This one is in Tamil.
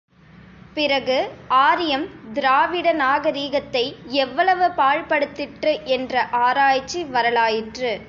பிறகு ஆரியம், திராவிட நாகரிகத்தை எவ்வளவு பாழ்படுத்திற்று என்ற ஆராய்ச்சி வரலாயிற்று.